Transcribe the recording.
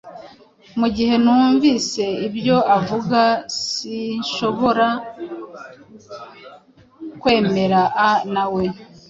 Mugihe numvise ibyo uvuga, sinshobora kwemeraa nawe.